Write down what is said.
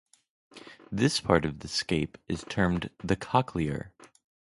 This part of the scape is termed the "cochlear".